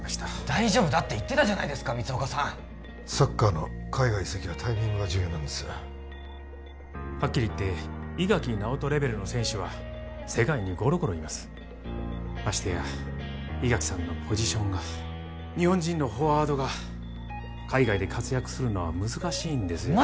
大丈夫だって言ってたじゃないですか光岡さんサッカーの海外移籍はタイミングが重要なんですはっきり言って伊垣尚人レベルの選手は世界にゴロゴロいますましてや伊垣さんのポジションが日本人のフォワードが海外で活躍するのは難しいんですよ